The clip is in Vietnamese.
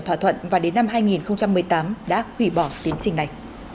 thỏa thuận và đến năm hai nghìn một mươi tám đã hủy bỏ tiến trình này